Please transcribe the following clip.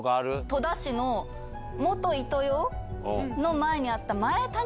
戸田市の元イトヨの前にあった。